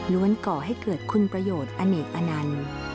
ล้วนก่อให้เกิดคุณประโยชน์อเนตอันนั้น